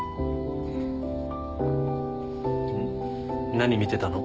何見てたの？